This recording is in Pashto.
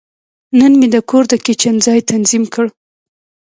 نن مې د کور د کچن ځای تنظیم کړ.